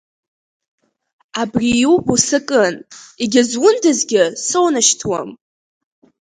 Абри иубо сакын, егьазундазгьы соунашьҭуам!